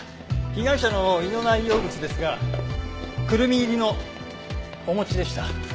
被害者の胃の内容物ですがクルミ入りのお餅でした。